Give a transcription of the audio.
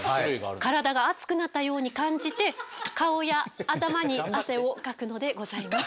体が熱くなったように感じて顔や頭に汗をかくのでございます。